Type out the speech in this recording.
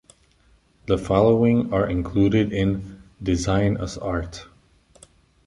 The following are included in "Design as Art".